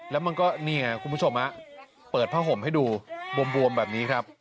แล้วมันก็เนี่ยคุณผู้ชมเปิดผ้าห่มให้ดูบวมแบบนี้ครับ